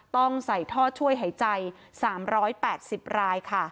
ต้องใส่ท่อช่วยหายใจ๓๘๐รายค่ะ